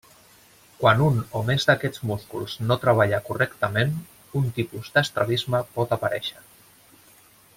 Quan un o més d'aquests músculs no treballa correctament, un tipus d'estrabisme pot aparèixer.